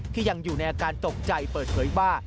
ที่ยังอยู่ในอาการตกใจเปิดเผยว่า